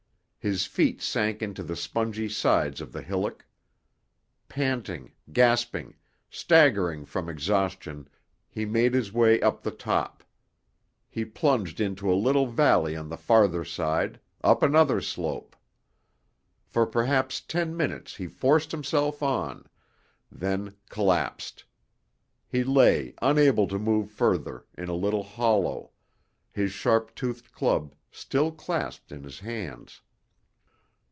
His feet sank into the spongy sides of the hillock. Panting, gasping, staggering from exhaustion, he made his way up the top. He plunged into a little valley on the farther side, up another slope. For perhaps ten minutes he forced himself on, then collapsed. He lay, unable to move further, in a little hollow, his sharp toothed club still clasped in his hands.